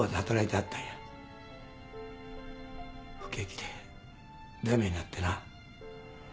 不景気でダメになってな。